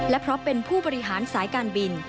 และเพราะเป็นผู้บริหารสายการบิน